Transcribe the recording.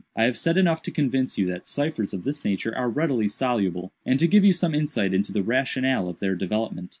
I have said enough to convince you that ciphers of this nature are readily soluble, and to give you some insight into the rationale of their development.